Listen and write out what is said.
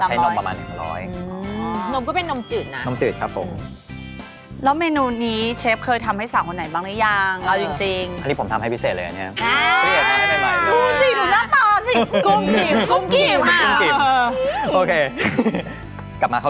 ใช้ไข่ไก่ครับไข่เป็ดกลิ่นมันจะขาว